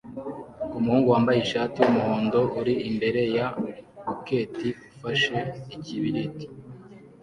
kumuhungu wambaye ishati yumuhondo uri imbere ya wiketi ufashe ikibiriti